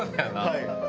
はい。